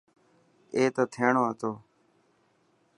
اي ته ٿيهڻو هتو.